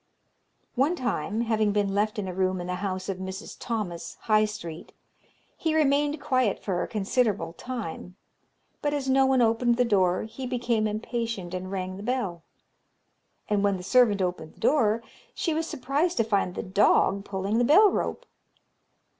"One time, having been left in a room in the house of Mrs. Thomas, High Street, he remained quiet for a considerable time; but as no one opened the door, he became impatient, and rang the bell; and when the servant opened the door, she was surprised to find the dog pulling the bell rope.